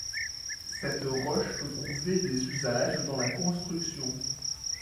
Cette roche peut trouver des usages dans la construction.